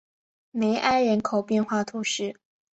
梅埃人口变化图示